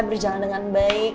berjalan dengan baik